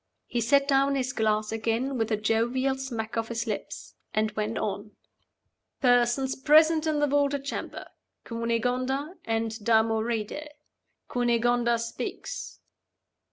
He set down his glass again, with a jovial smack of his lips and went on: "Persons present in the vaulted chamber: Cunegonda and Damoride. Cunegonda speaks.